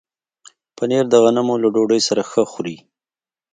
پنېر د غنمو له ډوډۍ سره ښه خوري.